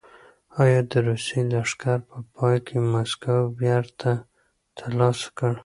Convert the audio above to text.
ایا د روسیې لښکر په پای کې مسکو بېرته ترلاسه کړ؟